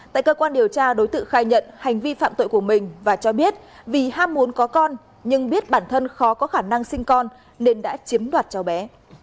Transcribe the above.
tại cơ quan điều tra đối tượng khai nhận hành vi phạm tội của mình và cho biết vì ham muốn có con nhưng biết bản thân khó có khả năng sinh con nên đã chiếm đoạt cháu bé